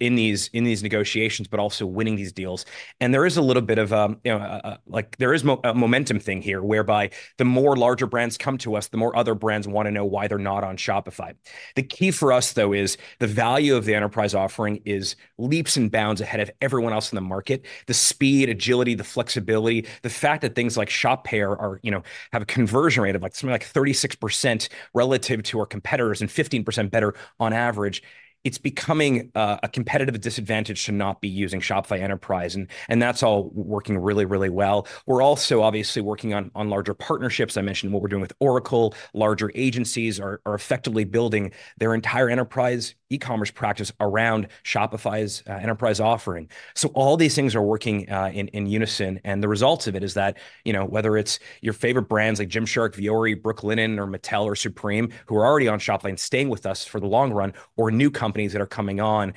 in these negotiations, but also winning these deals. And there is a little bit of, you know, like, there is a momentum thing here, whereby the more larger brands come to us, the more other brands wanna know why they're not on Shopify. The key for us, though, is the value of the enterprise offering is leaps and bounds ahead of everyone else in the market. The speed, agility, the flexibility, the fact that things like Shop Pay are, you know, have a conversion rate of, like, something like 36% relative to our competitors, and 15% better on average. It's becoming a competitive disadvantage to not be using Shopify Enterprise, and that's all working really, really well. We're also obviously working on larger partnerships. I mentioned what we're doing with Oracle. Larger agencies are, are effectively building their entire enterprise e-commerce practice around Shopify's Enterprise offering. So all these things are working in unison, and the results of it is that, you know, whether it's your favorite brands like Gymshark, Vuori, Brooklinen, or Mattel or Supreme, who are already on Shopify and staying with us for the long run, or new companies that are coming on,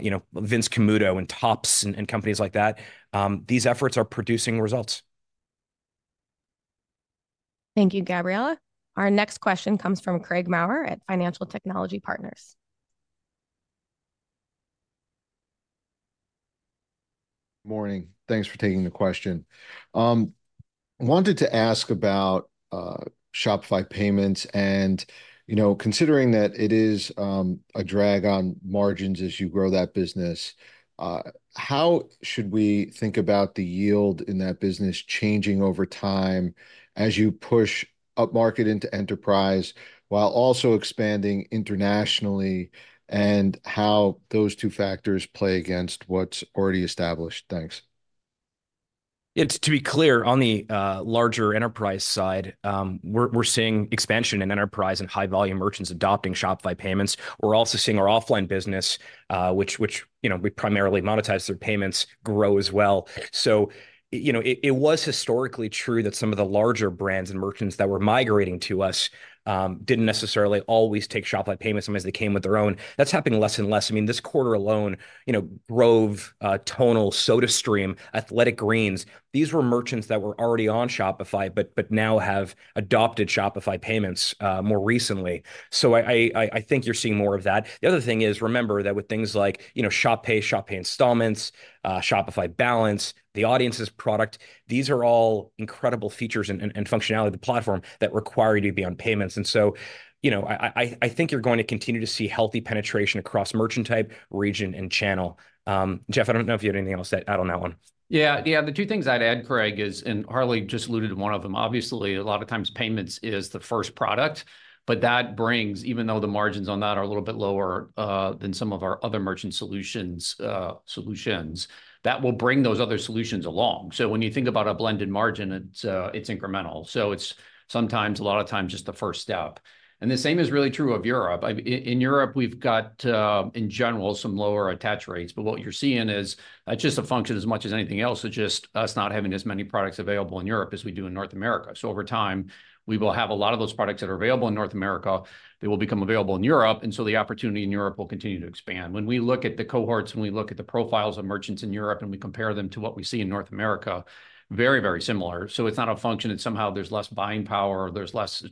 you know, Vince Camuto and Topps and companies like that, these efforts are producing results. Thank you, Gabriela. Our next question comes from Craig Maurer at Financial Technology Partners. Morning. Thanks for taking the question. Wanted to ask about Shopify Payments and, you know, considering that it is a drag on margins as you grow that business, how should we think about the yield in that business changing over time as you push upmarket into enterprise, while also expanding internationally, and how those two factors play against what's already established? Thanks. Yeah, to be clear, on the larger enterprise side, we're seeing expansion in enterprise and high-volume merchants adopting Shopify Payments. We're also seeing our offline business, which you know, we primarily monetize their payments, grow as well. So, you know, it was historically true that some of the larger brands and merchants that were migrating to us didn't necessarily always take Shopify Payments, sometimes they came with their own. That's happening less and less. I mean, this quarter alone, you know, Rove, Tonal, SodaStream, Athletic Greens, these were merchants that were already on Shopify, but now have adopted Shopify Payments more recently. So I think you're seeing more of that. The other thing is, remember that with things like, you know, Shop Pay, Shop Pay Installments, Shopify Balance, the Audiences product, these are all incredible features and functionality of the platform that require you to be on payments. And so, you know, I think you're going to continue to see healthy penetration across merchant type, region, and channel. Jeff, I don't know if you have anything else to add on that one. Yeah, yeah. The two things I'd add, Craig, is, and Harley just alluded to one of them, obviously, a lot of times Payments is the first product, but that brings, even though the margins on that are a little bit lower than some of our other merchant solutions, solutions, that will bring those other solutions along. So when you think about a blended margin, it's, it's incremental. So it's sometimes, a lot of times, just the first step. And the same is really true of Europe. In Europe, we've got, in general, some lower attach rates, but what you're seeing is just a function as much as anything else, so just us not having as many products available in Europe as we do in North America. So over time, we will have a lot of those products that are available in North America, they will become available in Europe, and so the opportunity in Europe will continue to expand. When we look at the cohorts, when we look at the profiles of merchants in Europe, and we compare them to what we see in North America, very, very similar. So it's not a function that somehow there's less buying power, or there's less,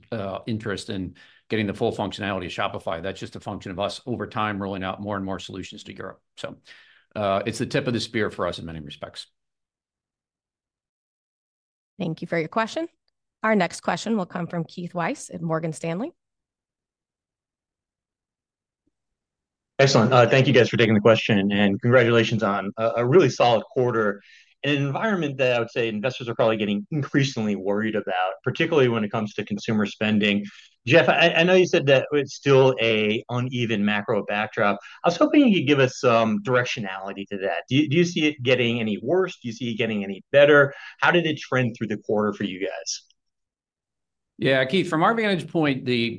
interest in getting the full functionality of Shopify. That's just a function of us over time, rolling out more and more solutions to Europe. So, it's the tip of the spear for us in many respects. Thank you for your question. Our next question will come from Keith Weiss at Morgan Stanley. Excellent. Thank you, guys, for taking the question, and congratulations on a really solid quarter. In an environment that I would say investors are probably getting increasingly worried about, particularly when it comes to consumer spending, Jeff, I know you said that it's still an uneven macro backdrop. I was hoping you could give us some directionality to that. Do you see it getting any worse? Do you see it getting any better? How did it trend through the quarter for you guys? Yeah, Keith, from our vantage point, the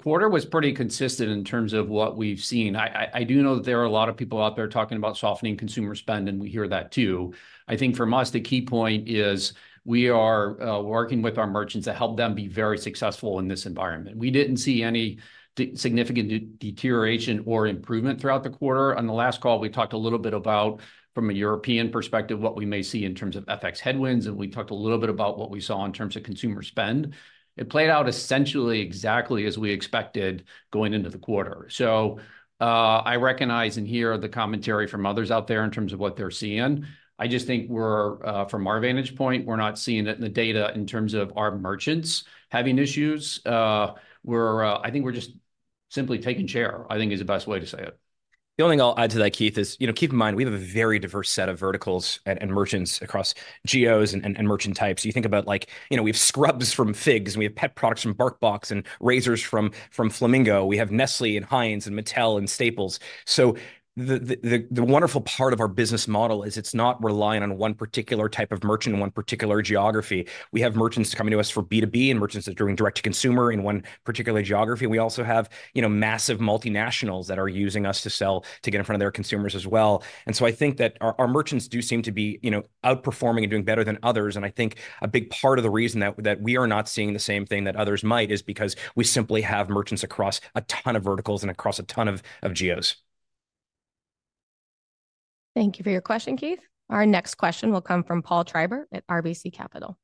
quarter was pretty consistent in terms of what we've seen. I do know that there are a lot of people out there talking about softening consumer spend, and we hear that, too. I think for us, the key point is we are working with our merchants to help them be very successful in this environment. We didn't see any significant deterioration or improvement throughout the quarter. On the last call, we talked a little bit about, from a European perspective, what we may see in terms of FX headwinds, and we talked a little bit about what we saw in terms of consumer spend. It played out essentially exactly as we expected going into the quarter. So, I recognize and hear the commentary from others out there in terms of what they're seeing. I just think we're from our vantage point, we're not seeing it in the data in terms of our merchants having issues. We're, I think, just simply taking share, I think, is the best way to say it. The only thing I'll add to that, Keith, is, you know, keep in mind, we have a very diverse set of verticals and, and merchants across geos and, and merchant types. You think about, like, you know, we have scrubs from Figs, and we have pet products from BarkBox and razors from, from Flamingo. We have Nestlé and Heinz and Mattel and Staples. So the wonderful part of our business model is it's not reliant on one particular type of merchant in one particular geography. We have merchants coming to us for B2B and merchants that are doing direct-to-consumer in one particular geography. We also have, you know, massive multinationals that are using us to sell, to get in front of their consumers as well. And so I think that our merchants do seem to be, you know, outperforming and doing better than others. I think a big part of the reason that we are not seeing the same thing that others might is because we simply have merchants across a ton of verticals and across a ton of geos. Thank you for your question, Keith. Our next question will come from Paul Treiber at RBC Capital.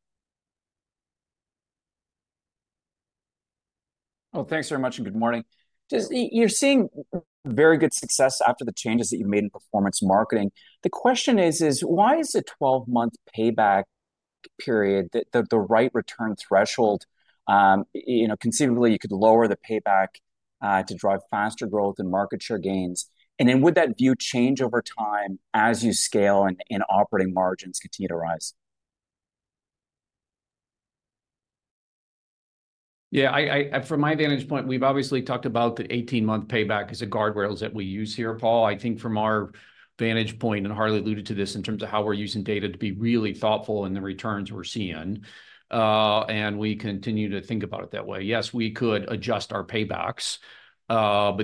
Well, thanks very much, and good morning. Just, you're seeing very good success after the changes that you've made in performance marketing. The question is, why is a 12-month payback period the right return threshold? You know, conceivably, you could lower the payback to drive faster growth and market share gains. And then would that view change over time as you scale and operating margins continue to rise? Yeah, from my vantage point, we've obviously talked about the 18-month payback as a guardrails that we use here, Paul. I think from our vantage point, and Harley alluded to this, in terms of how we're using data to be really thoughtful in the returns we're seeing, and we continue to think about it that way. Yes, we could adjust our paybacks, but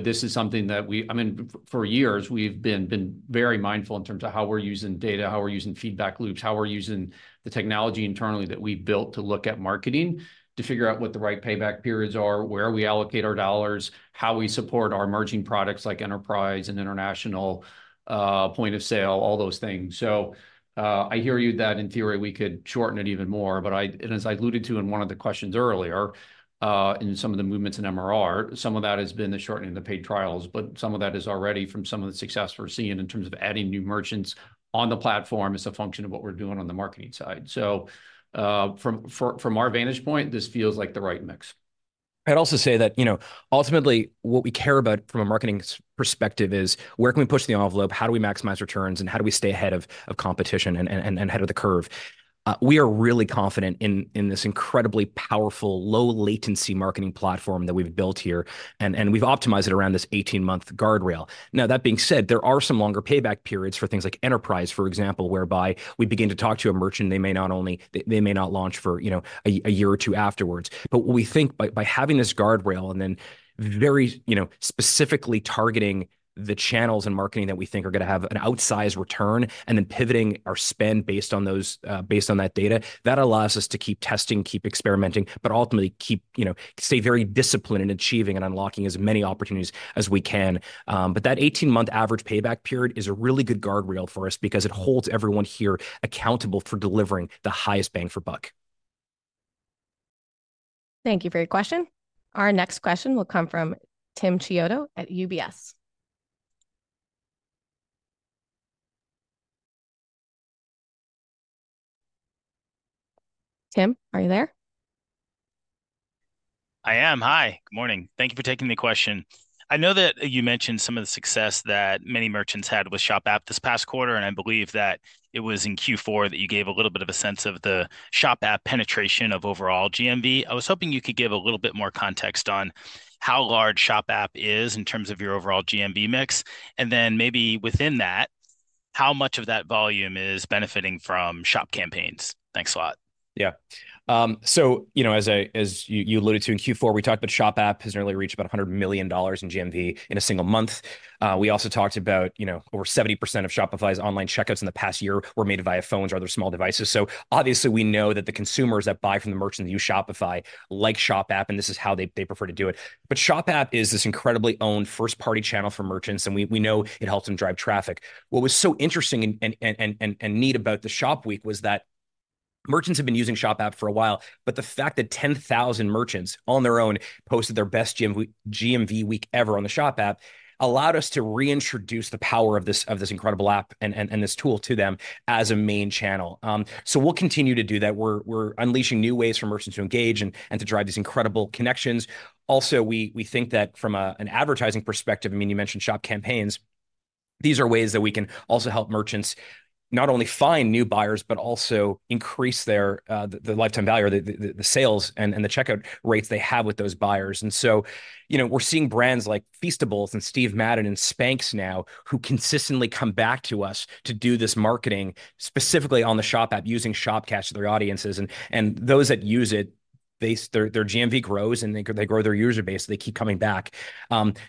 this is something that I mean, for years, we've been very mindful in terms of how we're using data, how we're using feedback loops, how we're using the technology internally that we've built to look at marketing, to figure out what the right payback periods are, where we allocate our dollars, how we support our emerging products like Enterprise and International, Point of Sale, all those things. So, I hear you that in theory, we could shorten it even more, but, and as I alluded to in one of the questions earlier, in some of the movements in MRR, some of that has been the shortening of the paid trials, but some of that is already from some of the success we're seeing in terms of adding new merchants on the platform as a function of what we're doing on the marketing side. So, from our vantage point, this feels like the right mix. I'd also say that, you know, ultimately, what we care about from a marketing perspective is, where can we push the envelope? How do we maximize returns, and how do we stay ahead of competition and ahead of the curve? We are really confident in this incredibly powerful, low-latency marketing platform that we've built here, and we've optimized it around this 18-month guardrail. Now, that being said, there are some longer payback periods for things like Enterprise, for example, whereby we begin to talk to a merchant, and they may not launch for, you know, a year or two afterwards. But we think by having this guardrail and then very, you know, specifically targeting the channels and marketing that we think are gonna have an outsized return, and then pivoting our spend based on those, based on that data, that allows us to keep testing, keep experimenting, but ultimately, keep, you know, stay very disciplined in achieving and unlocking as many opportunities as we can. That 18-month average payback period is a really good guardrail for us because it holds everyone here accountable for delivering the highest bang for buck. Thank you for your question. Our next question will come from Tim Chiodo at UBS. Tim, are you there? I am. Hi, good morning. Thank you for taking the question. I know that you mentioned some of the success that many merchants had with Shop App this past quarter, and I believe that it was in Q4 that you gave a little bit of a sense of the Shop App penetration of overall GMV. I was hoping you could give a little bit more context on how large Shop App is in terms of your overall GMV mix, and then maybe within that, how much of that volume is benefiting from Shop Campaigns? Thanks a lot. Yeah. So you know, as I, as you, you alluded to in Q4, we talked about Shop App has nearly reached about $100 million in GMV in a single month. We also talked about, you know, over 70% of Shopify's online checkouts in the past year were made via phones or other small devices. So obviously, we know that the consumers that buy from the merchants that use Shopify like Shop App, and this is how they, they prefer to do it. But Shop App is this incredibly owned first-party channel for merchants, and we, we know it helps them drive traffic. What was so interesting and neat about the Shop Week was that merchants have been using Shop App for a while, but the fact that 10,000 merchants on their own posted their best GMV week ever on the Shop App allowed us to reintroduce the power of this incredible app and this tool to them as a main channel. So we'll continue to do that. We're unleashing new ways for merchants to engage and to drive these incredible connections. Also, we think that from an advertising perspective, I mean, you mentioned Shop Campaigns, these are ways that we can also help merchants not only find new buyers but also increase their the lifetime value or the sales and the checkout rates they have with those buyers. And so, you know, we're seeing brands like Feastables and Steve Madden and Spanx now, who consistently come back to us to do this marketing, specifically on the Shop App, using Shop Campaigns to their audiences. And those that use it, their GMV grows, and they grow their user base, so they keep coming back.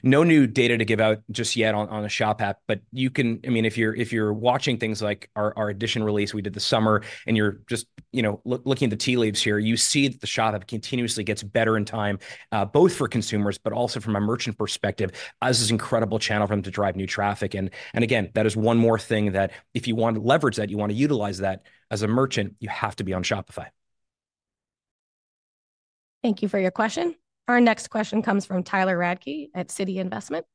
No new data to give out just yet on the Shop App, but you can—I mean, if you're watching things like our Editions release we did this summer, and you're just, you know, looking at the tea leaves here, you see that the Shop App continuously gets better in time, both for consumers, but also from a merchant perspective, as this incredible channel for them to drive new traffic. And again, that is one more thing that if you want to leverage that, you want to utilize that, as a merchant, you have to be on Shopify. Thank you for your question. Our next question comes from Tyler Radke at Citi Investments.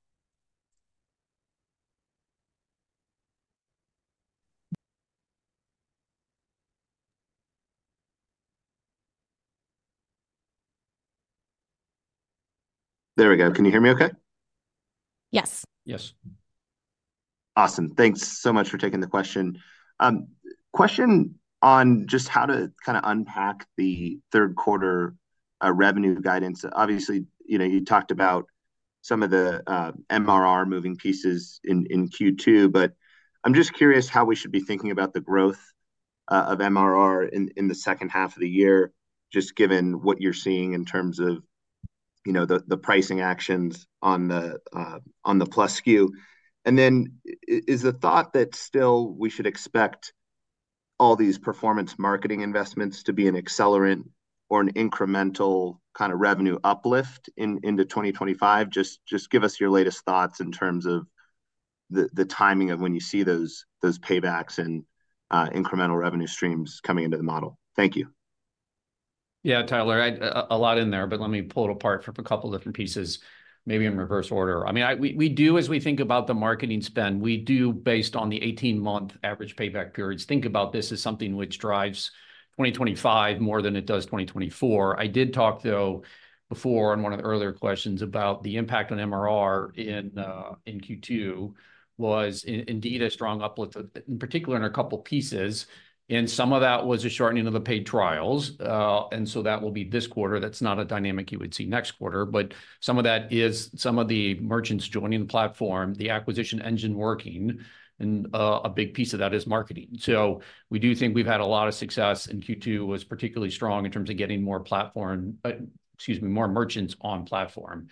There we go. Can you hear me okay? Yes. Yes. Awesome. Thanks so much for taking the question. Question on just how to kind of unpack the third quarter revenue guidance. Obviously, you know, you talked about some of the MRR moving pieces in Q2, but I'm just curious how we should be thinking about the growth of MRR in the second half of the year, just given what you're seeing in terms of, you know, the pricing actions on the Plus SKU. And then is the thought that still we should expect all these performance marketing investments to be an accelerant or an incremental kind of revenue uplift into 2025? Just give us your latest thoughts in terms of the timing of when you see those paybacks and incremental revenue streams coming into the model. Thank you. Yeah, Tyler, a lot in there, but let me pull it apart for a couple different pieces, maybe in reverse order. I mean, we do as we think about the marketing spend, we do, based on the 18-month average payback periods, think about this as something which drives 2025 more than it does 2024. I did talk, though, before, on one of the earlier questions, about the impact on MRR in Q2, was indeed a strong uplift, in particular in a couple pieces, and some of that was a shortening of the paid trials. And so that will be this quarter. That's not a dynamic you would see next quarter. But some of that is some of the merchants joining the platform, the acquisition engine working, and a big piece of that is marketing. So we do think we've had a lot of success, and Q2 was particularly strong in terms of getting more platform, excuse me, more merchants on platform.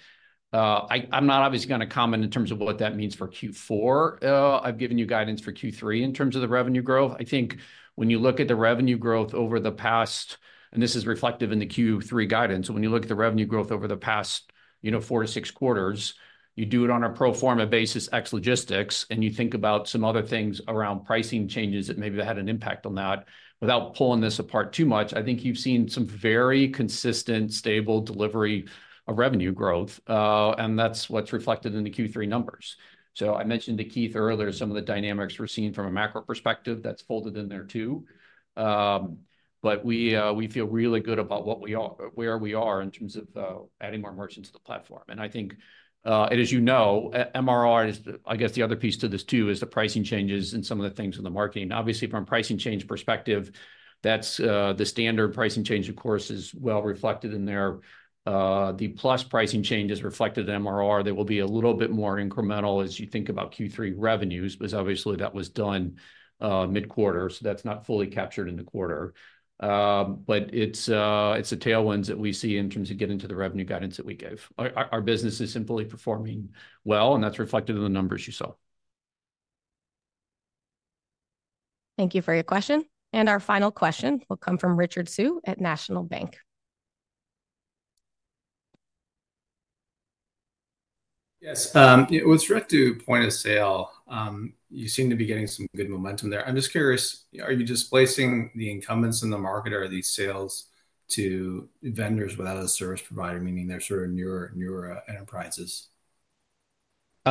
I'm not obviously gonna comment in terms of what that means for Q4. I've given you guidance for Q3 in terms of the revenue growth. I think when you look at the revenue growth over the past, and this is reflective in the Q3 guidance, when you look at the revenue growth over the past, you know, four to six quarters, you do it on a pro forma basis, ex logistics, and you think about some other things around pricing changes that maybe that had an impact on that. Without pulling this apart too much, I think you've seen some very consistent, stable delivery of revenue growth, and that's what's reflected in the Q3 numbers. I mentioned to Keith earlier some of the dynamics we're seeing from a macro perspective. That's folded in there, too. But we feel really good about where we are in terms of adding more merchants to the platform. And I think, as you know, MRR is, I guess the other piece to this, too, is the pricing changes and some of the things in the marketing. Obviously, from a pricing change perspective, that's the standard pricing change, of course, is well reflected in there. The Plus pricing change is reflected in MRR. They will be a little bit more incremental as you think about Q3 revenues, because obviously, that was done mid-quarter, so that's not fully captured in the quarter. But it's, it's the tailwinds that we see in terms of getting to the revenue guidance that we gave. Our, our business is simply performing well, and that's reflected in the numbers you saw. Thank you for your question. Our final question will come from Richard Tse at National Bank. Yes, with respect to point of sale, you seem to be getting some good momentum there. I'm just curious, are you displacing the incumbents in the market, or are these sales to vendors without a service provider, meaning they're sort of newer enterprises?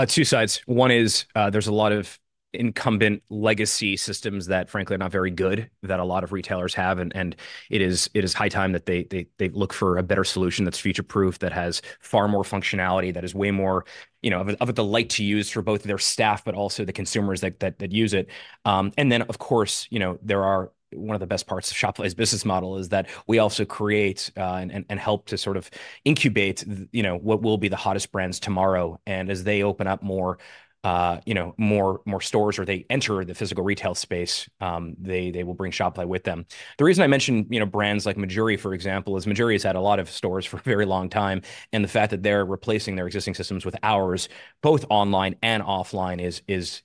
Two sides. One is, there's a lot of incumbent legacy systems that, frankly, are not very good, that a lot of retailers have, and it is high time that they look for a better solution that's future-proof, that has far more functionality, that is way more, you know, of a delight to use for both their staff but also the consumers that use it. And then, of course, you know, one of the best parts of Shopify's business model is that we also create and help to sort of incubate, you know, what will be the hottest brands tomorrow. And as they open up more, you know, more stores or they enter the physical retail space, they will bring Shopify with them. The reason I mention, you know, brands like Mejuri, for example, is Mejuri has had a lot of stores for a very long time, and the fact that they're replacing their existing systems with ours, both online and offline, is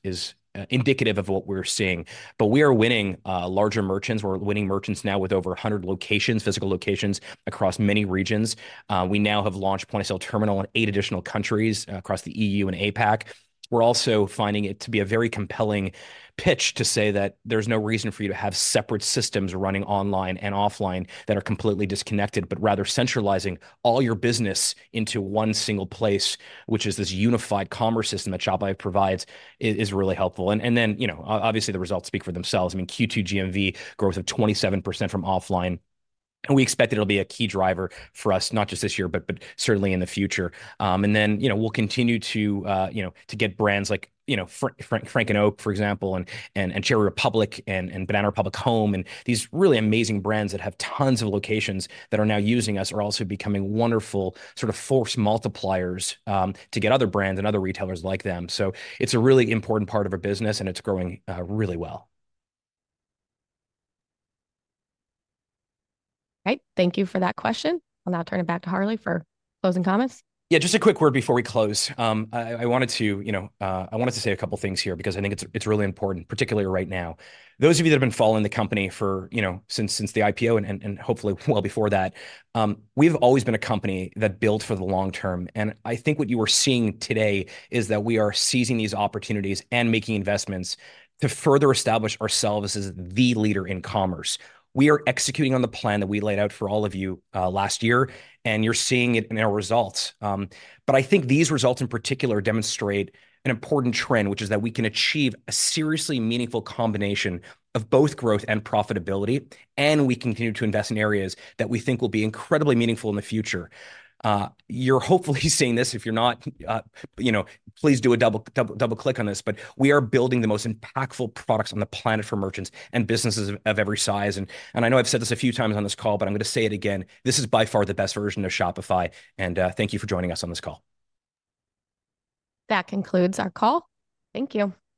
indicative of what we're seeing. But we are winning larger merchants. We're winning merchants now with over 100 locations, physical locations, across many regions. We now have launched Point of Sale terminal in eight additional countries across the EU and APAC. We're also finding it to be a very compelling pitch to say that there's no reason for you to have separate systems running online and offline that are completely disconnected, but rather centralizing all your business into one single place, which is this unified commerce system that Shopify provides. It is really helpful. And then, you know, obviously, the results speak for themselves. I mean, Q2 GMV growth of 27% from offline, and we expect it'll be a key driver for us, not just this year, but certainly in the future. And then, you know, we'll continue to get brands like, you know, Frank and Oak, for example, and Cherry Republic, and Banana Republic Home, and these really amazing brands that have tons of locations that are now using us are also becoming wonderful sort of force multipliers to get other brands and other retailers like them. So it's a really important part of our business, and it's growing really well. Great, thank you for that question. I'll now turn it back to Harley for closing comments. Yeah, just a quick word before we close. I wanted to say a couple things here because I think it's really important, particularly right now. Those of you that have been following the company for, you know, since the IPO and, hopefully, well before that, we've always been a company that built for the long term. And I think what you are seeing today is that we are seizing these opportunities and making investments to further establish ourselves as the leader in commerce. We are executing on the plan that we laid out for all of you last year, and you're seeing it in our results. But I think these results in particular demonstrate an important trend, which is that we can achieve a seriously meaningful combination of both growth and profitability, and we continue to invest in areas that we think will be incredibly meaningful in the future. You're hopefully seeing this. If you're not, you know, please do a double, double-click on this. But we are building the most impactful products on the planet for merchants and businesses of every size. I know I've said this a few times on this call, but I'm going to say it again, this is by far the best version of Shopify, and thank you for joining us on this call. That concludes our call. Thank you.